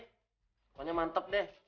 pokoknya mantep deh